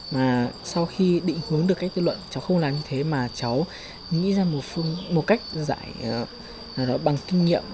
mà sau khi định hướng được cách tư luận cháu không làm như thế mà cháu nghĩ ra một cách giải bằng kinh nghiệm